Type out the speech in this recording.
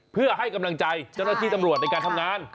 เพื่อให้กำลังใจเจ้าหน้าที่ตำรวจในการทำงาน